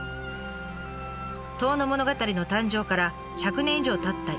「遠野物語」の誕生から１００年以上たった